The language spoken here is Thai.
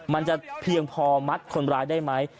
มันจะเพียงพอมัดคนร้ายได้ไหม